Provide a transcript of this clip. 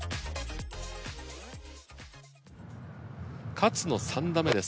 勝の３打目です。